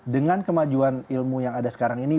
dengan kemajuan ilmu yang ada sekarang ini